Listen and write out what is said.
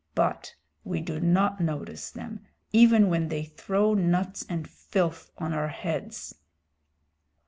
But we do not notice them even when they throw nuts and filth on our heads."